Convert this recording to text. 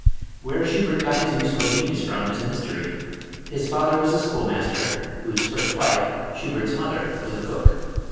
Where Schubert got his musical genius from is a mystery. His father was a schoolmaster, whose first wife, Schubert's mother, was a cook.